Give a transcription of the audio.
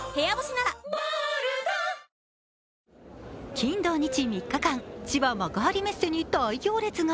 金土日３日間、千葉・幕張メッセに大行列が。